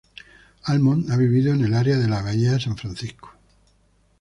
Almond ha vivido en el Área de la Bahía de San Francisco.